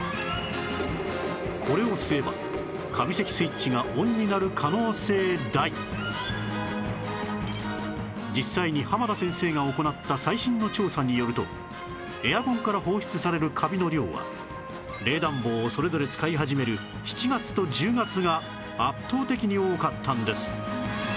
これを吸えば実際に浜田先生が行った最新の調査によるとエアコンから放出されるカビの量は冷暖房をそれぞれ使い始める７月と１０月が圧倒的に多かったんです